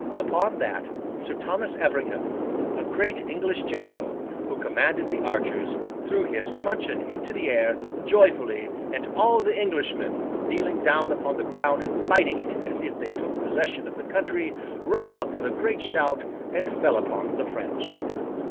Upon that, Sir Thomas Erpingham, a great English general, who commanded the archers, threw his truncheon into the air, joyfully, and all the English men, kneeling down upon the ground and biting it as if they took possession of the country, rose up with a great shout and fell upon the French.